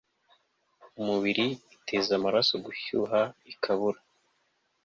umubiri iteza amaraso gushyuha igakabura